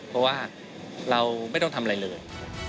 เพราะว่าเราไม่ต้องทำอะไรเลย